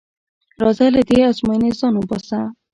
راځه له دې ازموینې ځان وباسه.